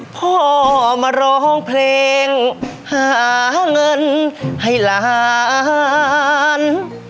พ่อมาร้องเพลงหาเงินให้หลาน